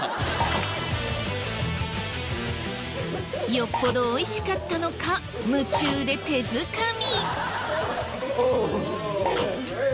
よっぽど美味しかったのか夢中で手づかみ。